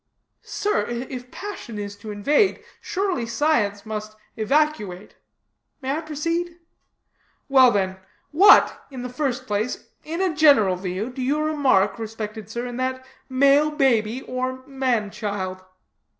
"Sir, if passion is to invade, surely science must evacuate. May I proceed? Well, then, what, in the first place, in a general view, do you remark, respected sir, in that male baby or man child?"